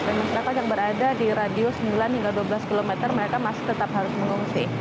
masyarakat yang berada di radius sembilan hingga dua belas km mereka masih tetap harus mengungsi